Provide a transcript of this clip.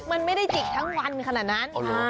มันไม่ได้จิกทั้งวันขนาดนั้น